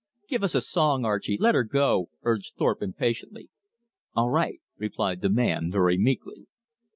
"Give us a song, Archie, let her go," urged Thorpe impatiently. "All right," replied the man very meekly.